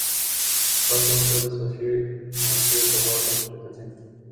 Statul nu trebuie să mai fie o povară pentru cetățeni.